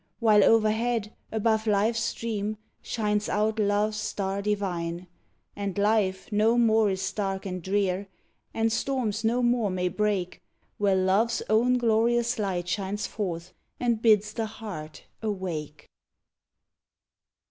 While overhead, above life's stream, shines out love's star divine. And life no more is dark and drear, and storms no more may break Where love's own glorious light shines forth and bids the heart awake!